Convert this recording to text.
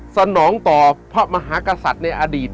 สนองต่อพระมหากษัตริย์ในอดีต